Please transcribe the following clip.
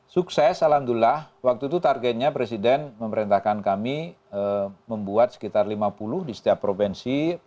sukses alhamdulillah waktu itu targetnya presiden memerintahkan kami membuat sekitar lima puluh di setiap provinsi